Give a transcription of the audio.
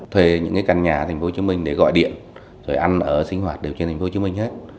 thuê những căn nhà thành phố hồ chí minh để gọi điện rồi ăn ở sinh hoạt đều trên thành phố hồ chí minh hết